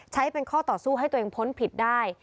ใช้เป็นข้อต่อสู้ให้ตัวเองพ้นผิดได้